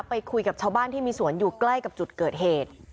ไปคุยกับชาวบ้านที่มีสวนอยู่ใกล้กับจุดเกิดเหตุ